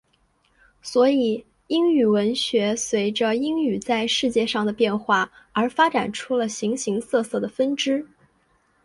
所以英语文学随着英语在世界上的变化而发展出了形形色色的分支。